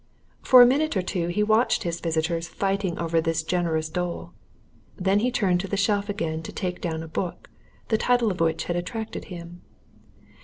For a minute or two he watched his visitors fighting over this generous dole; then he turned to the shelf again, to take down a book, the title of which had attracted him.